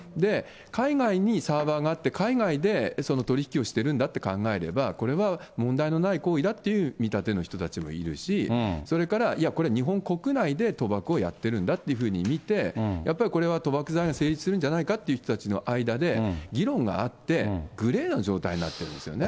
海外にサーバーがあって、海外で取り引きをしてるんだって考えれば、これは問題のない行為だっていう見立ての人たちもいるし、それから、いや、日本国内で賭博をやってるんだというふうに見て、やっぱりこれは賭博罪が成立するんじゃないかという人たちの間で、議論があって、グレーの状態になってるんですよね。